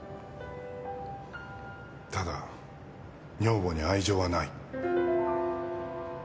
ただ女房に愛情はない。